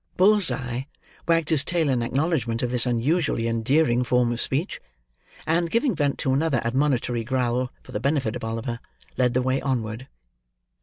Bull's eye wagged his tail in acknowledgment of this unusually endearing form of speech; and, giving vent to another admonitory growl for the benefit of Oliver, led the way onward.